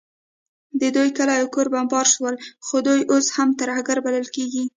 د دوی کلي او کورونه بمبار سول، خو دوی اوس هم ترهګر بلل کیږي